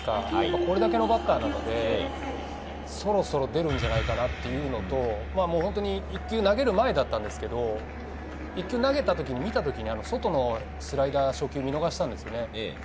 これだけのバッターなので、そろそろ出るんじゃないかなというのと、１球投げる前だったんですけど、１球投げた時、見た時に外のスライダーを見逃したんですよね。